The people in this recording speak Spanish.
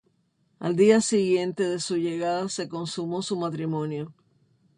Al día siguiente de su llegada, se consumó su matrimonio.